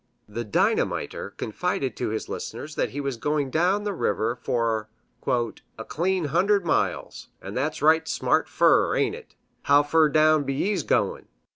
The Dynamiter confided to his listeners that he was going down the river for "a clean hundred miles, and that's right smart fur, ain't it? How fur down be yees goin'?"